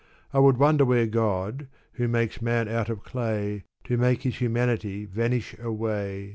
I would wonder where God, who makes man out of clay. To make his humanity vanish away.